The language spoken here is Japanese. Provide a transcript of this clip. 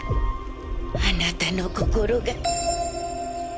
あなたの心が。